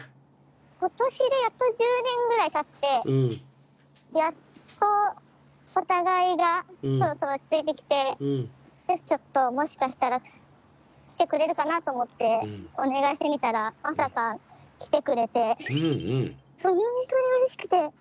今年でやっと１０年ぐらいたってやっとお互いがそろそろ落ち着いてきてでちょっともしかしたら来てくれるかなと思ってお願いしてみたらまさか来てくれてほんとにうれしくて。